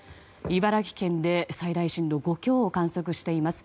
茨城県で最大震度５強を観測しています。